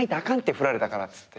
振られたからっつって。